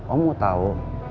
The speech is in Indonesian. om mau tau